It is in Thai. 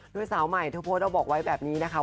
ด้วยสาวใหม่ทศบอกได้เลยแบบนี้นะค่ะ